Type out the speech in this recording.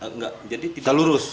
nggak jadi tidak lurus